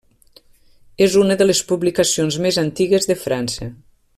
És una de les publicacions més antigues de França.